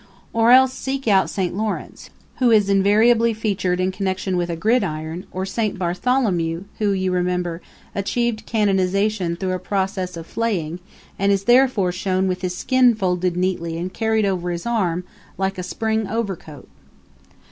Or else seek out Saint Laurence, who is invariably featured in connection with a gridiron; or Saint Bartholomew, who, you remember, achieved canonization through a process of flaying, and is therefore shown with his skin folded neatly and carried over his arm like a spring overcoat.